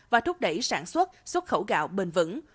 và thúc đẩy sản xuất xuất khẩu gạo bền vững